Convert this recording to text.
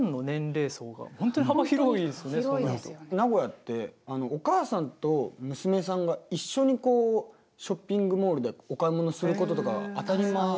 名古屋ってお母さんと娘さんが一緒にショッピングモールでお買い物することとかが当たり前なんですよね。